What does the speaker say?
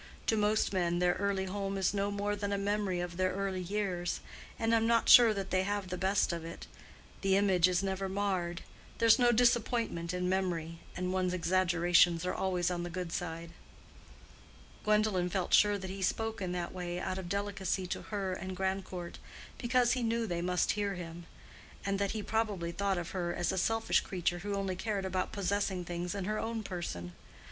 "To most men their early home is no more than a memory of their early years, and I'm not sure but they have the best of it. The image is never marred. There's no disappointment in memory, and one's exaggerations are always on the good side." Gwendolen felt sure that he spoke in that way out of delicacy to her and Grandcourt—because he knew they must hear him; and that he probably thought of her as a selfish creature who only cared about possessing things in her own person.